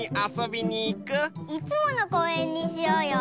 いつものこうえんにしようよ！